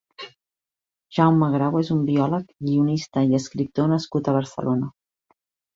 Jaume Grau és un biòleg, guionista i escriptor nascut a Barcelona.